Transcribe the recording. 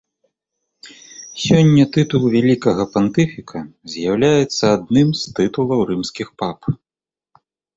Сёння тытул вялікага пантыфіка з'яўляецца адным з тытулаў рымскіх пап.